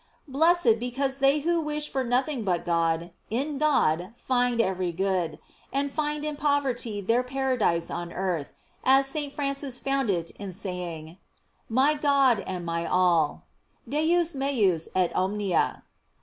"f Blessed, be cause they who wish for nothing but God, in God find every good, and find in poverty their paradise on earth, as St. Francis found it in say ing: My God and my all: "Deus meus et omnia."